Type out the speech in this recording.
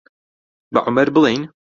بە عومەر بڵێین؟